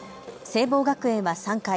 聖望学園は３回。